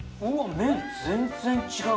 麺、全然違う！